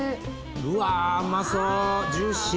うわうまそうジューシー。